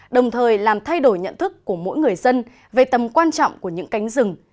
đồng thời làm thay đổi nhận thức của mỗi người dân về tầm quan trọng của những cánh rừng